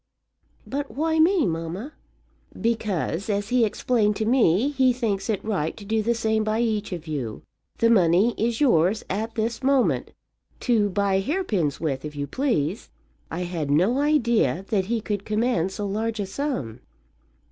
"But why me, mamma?" "Because, as he explained to me, he thinks it right to do the same by each of you. The money is yours at this moment, to buy hair pins with, if you please. I had no idea that he could command so large a sum."